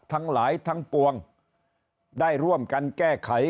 ทั้งหลายทั้งปวงได้ร่วมกันแก้ไข